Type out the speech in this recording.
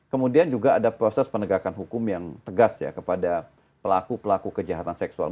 kemudian juga ada proses penegakan hukum yang tegas ya kepada pelaku pelaku kejahatan seksual